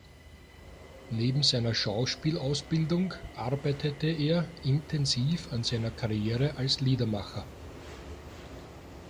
Neben seiner Schauspielausbildung arbeitete er intensiv an seiner Karriere als Liedermacher.